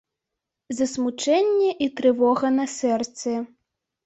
Засмучэнне і трывога на сэрцы.